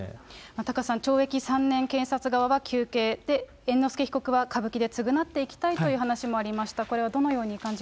タカさん、懲役３年、検察側は求刑で、猿之助被告は歌舞伎で償っていきたいという話もありました。